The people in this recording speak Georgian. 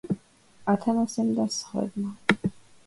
ათანასემ და სხვებმა.